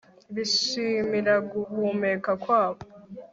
bishimira guhumeka kwabo